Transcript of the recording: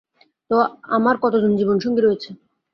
তো, আমার কতজন জীবনসঙ্গী রয়েছে?